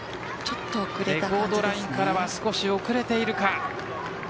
レコードラインからは少し遅れているか。